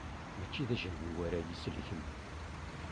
Mačči d ajenwi-w ara iyi-isellken.